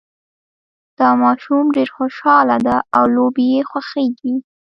دا ماشوم ډېر خوشحاله ده او لوبې یې خوښیږي